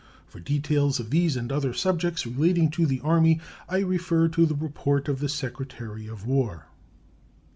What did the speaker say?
For details of these and other subjects relating to the Army I refer to the report of the Secretary of War.